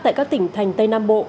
tại các tỉnh thành tây nam bộ